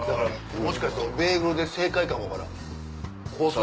もしかするとベーグルで正解かも分からん。